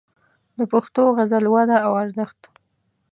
د پښتو غزل وده او ارزښت